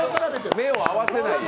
目を合わせないよ。